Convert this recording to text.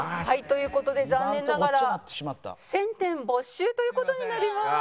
という事で残念ながら１０００点没収という事になります。